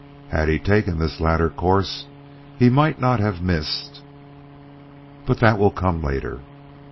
Had he taken this latter course, he might not have missed But that will come later.